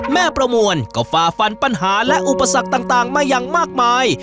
แม่ประมวลก็ฝ่าฟันปัญหาและอุปสรรคต่างมาอย่างมากมาย